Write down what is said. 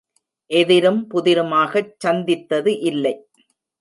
எதிரும் புதிருமாகச் சந்தித்தது இல்லை.